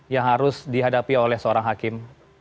yang harus dihadapi oleh seorang hakim